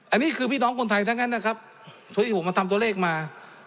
อันนี้คือพี่น้องคนไทยทั้งงั้นพีชผมมาทำตัวเลขมา